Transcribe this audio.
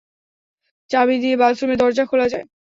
চাবি দিয়ে বাথরুমের দরজা খোলা যায়।